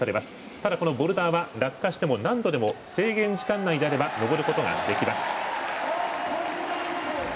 ただ、このボルダーは落下しても何度でも制限時間内であれば登ることができます。